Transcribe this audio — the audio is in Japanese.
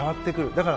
だから、